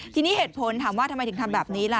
ทีนี้เหตุผลถามว่าทำไมถึงทำแบบนี้ล่ะ